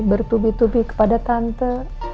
bertubi tubi kepada tante